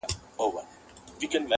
• او د ټولني د فکر په ژورو کي ژوند کوي,